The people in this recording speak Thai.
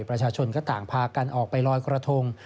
ประชาชนก็ต่างพากันออกไปลอยกระทง